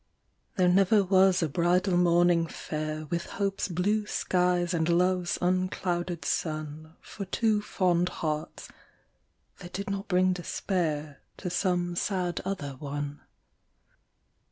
There never was a bridal morning fair With hope's blue skies and love's unclouded sun For two fond hearts, that did not bring despair To some sad other one.